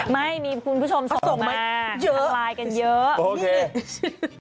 ไม่มีคุณผู้ชมส่งมาเจอไลน์กันเยอะ